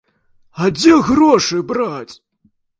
А дзе грошы браць?